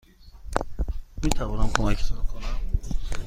میتوانم کمکتان کنم؟